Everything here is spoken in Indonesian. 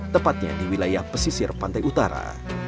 tepatnya di wilayah pesisir pantai utara